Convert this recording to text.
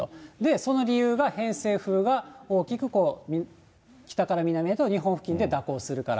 その理由が、偏西風が大きくこう、北から南へと、日本付近で蛇行するから。